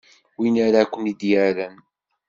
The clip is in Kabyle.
Win ara ken-i d-yerren.